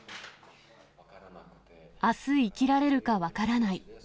あす生きられるか分からない。